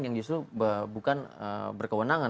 yang justru bukan berkewenangan